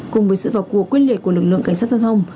cùng với sự vào cuộc quyết liệt của lực lượng cảnh sát giao thông